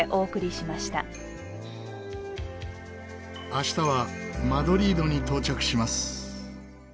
明日はマドリードに到着します。